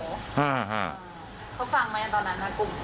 เขาฟังไหมตอนนั้นนะกลุ่ม